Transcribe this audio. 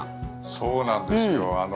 そうなんですよ。